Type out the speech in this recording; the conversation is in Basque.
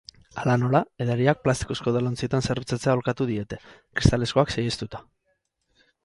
Hala nola, edariak plastikozko edalontzietan zerbitzatzea aholkatu diete, kristalezkoak saihestuta.